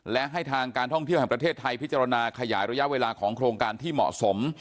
และให้ทางการท่องเที่ยวแห่งประเทศไทยพิจารณาขยายระยะเวลาของโครงการที่เหมาะสม